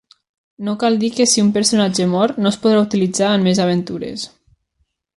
No cal dir que si un personatge mor, no es podrà utilitzar en més aventures.